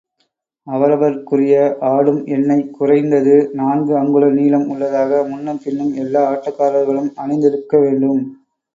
அவரவர்க்குரிய ஆடும் எண்ணை குறைந்தது நான்கு அங்குல நீளம் உள்ளதாக முன்னும் பின்னும் எல்லா ஆட்டக்காரர்களும் அணிந்திருக்க வேண்டும்.